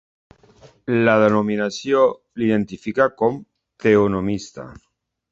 La denominació l"identifica com teonomista.